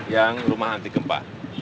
yang rumah anti gempa